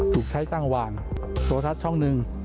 ถูกใช้จ้างหวานโทรทัศน์ช่องหนึ่ง